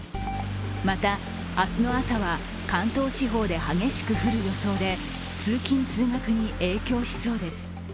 また、明日の朝は関東地方で激しく降る予想で通勤通学に影響しそうです。